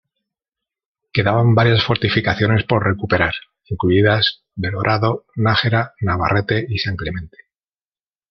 Quedaban varias fortificaciones por recuperar, incluidas Belorado, Nájera, Navarrete y San Clemente.